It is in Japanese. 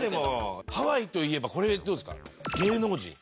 ハワイといえばこれどうですか？